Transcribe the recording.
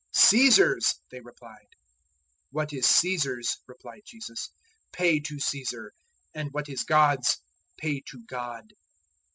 "Caesar's," they replied. 012:017 "What is Caesar's," replied Jesus, "pay to Caesar and what is God's, pay to God."